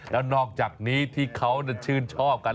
แล้วนอกจากนี้ที่เขาชื่นชอบกัน